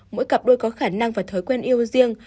mỗi cặp đôi có khả năng và thói quen yêu riêng